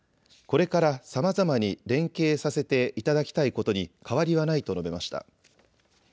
これからさまざまに連携させていただきたいことに変わりはないと述べました。